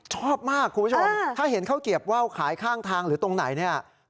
ชอบมากคุณผู้ชมถ้าเห็นข้าวเกียบว่าวขายข้างทางหรือตรงไหนเนี่ย